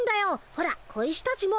ほら小石たちも。